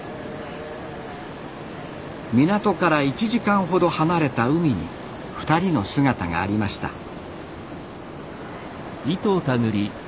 港から１時間ほど離れた海に２人の姿がありました。